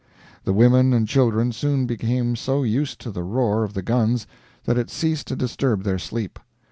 The women and children soon became so used to the roar of the guns that it ceased to disturb their sleep.